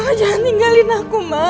mama jangan tinggalin aku ma